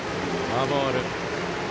フォアボール。